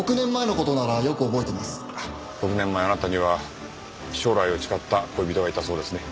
６年前あなたには将来を誓った恋人がいたそうですね。